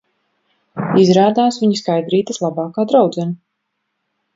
Izrādās, viņa Skaidrītes labākā draudzene...